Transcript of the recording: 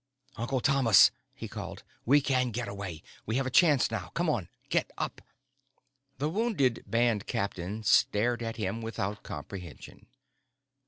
"Uncle Thomas," he called. "We can get away. We have a chance now. Come on, get up!" The wounded band captain stared up at him without comprehension.